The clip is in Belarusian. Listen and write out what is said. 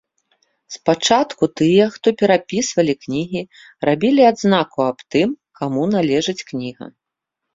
Спачатку тыя, хто перапісвалі кнігі, рабілі адзнаку аб тым, каму належыць кніга.